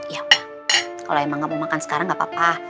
ya kalau emang gak mau makan sekarang nggak apa apa